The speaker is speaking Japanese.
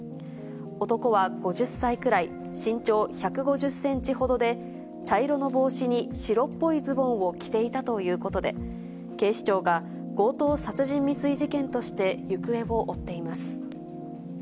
男は５０歳くらい、身長１５０センチほどで、茶色の帽子に白っぽいズボンを着ていたということで、警視庁が強盗殺人未遂事件として行方を追っています。